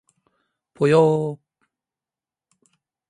ぽよー